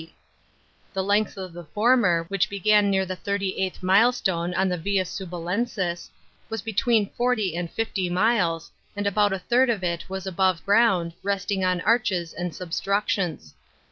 D.). The length of the former, which began near the thirty eighth milestone on the Via Snblacensis, was between forty and fifty miles, and about a third of it was above ground, resting on arches and substructions.